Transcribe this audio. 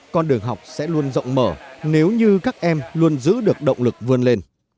con đường học sẽ luôn rộng mở nếu như các em luôn giữ được động lực vươn lên